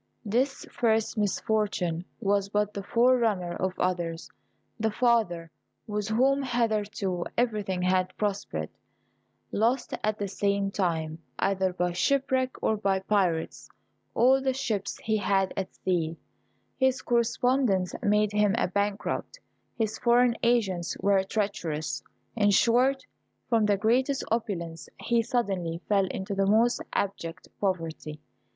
This first misfortune was but the forerunner of others. The father, with whom hitherto everything had prospered, lost at the same time, either by shipwreck or by pirates, all the ships he had at sea; his correspondents made him a bankrupt, his foreign agents were treacherous; in short, from the greatest opulence, he suddenly fell into the most abject poverty.